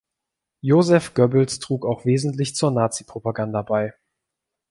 Joseph Goebbels trug auch wesentlich zur Nazi-Propaganda bei.